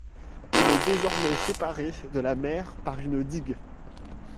Il est désormais séparé de la mer par une digue.